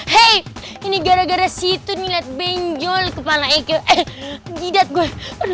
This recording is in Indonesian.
hei ini gara gara situ niat benjol kepala eko eh jidat gue